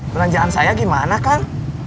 pelanjaan saya gimana kan